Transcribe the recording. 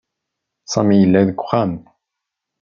Sami yella deg uxxam.